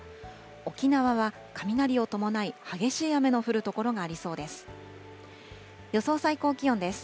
沖縄は雷を伴い、激しい雨の降る所がありそうです。